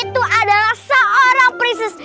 gak sih ya kak prinsip